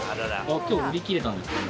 今日売り切れたんですね